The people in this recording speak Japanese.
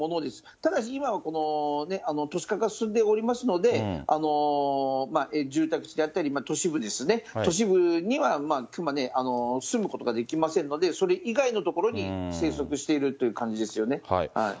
ただし今は都市化が進んでおりますので、住宅地であったりとか、都市部ですね、都市部には熊、住むことができませんので、それ以外の所に生息しているという感じですよね。